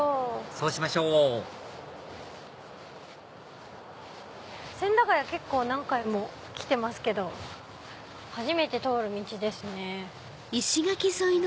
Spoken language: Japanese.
そうしましょう千駄ヶ谷って何回も来てますけど初めて通る道ですね。